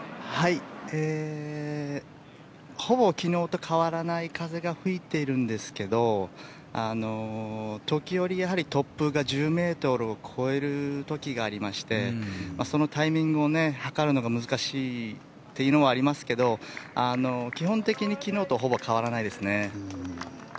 ほぼ昨日と変わらない風が吹いているんですけど時折、やはり突風が１０ｍを超える時がありましてそのタイミングを計るのが難しいというのはありますけど基本的に昨日とほぼ変わらないですね。